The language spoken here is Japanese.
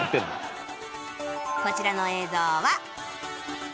こちらの映像は